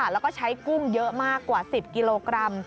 แล้วก็ใช้กุ้งเยอะมากกว่า๑๐กิโลกรัม